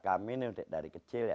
kami dari kecil